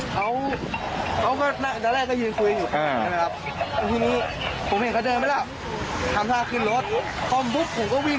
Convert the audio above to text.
เขาก็นั้นแรกก็ยืนกวิ่ง